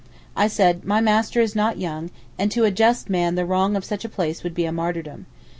I said, my master is not young, and to a just man the wrong of such a place would be a martyrdom.